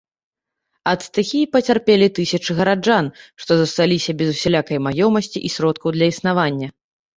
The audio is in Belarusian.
Ад стыхіі пацярпелі тысячы гараджан, што засталіся без усялякай маёмасці і сродкаў для існавання.